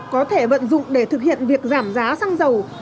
có thể vận dụng để thực hiện việc giảm giá xăng dầu